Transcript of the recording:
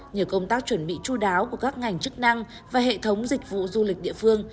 nhờ công tác chuẩn bị chú đáo của các ngành chức năng và hệ thống dịch vụ du lịch địa phương